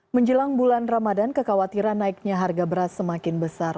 menjelang bulan ramadan kekhawatiran naiknya harga beras semakin besar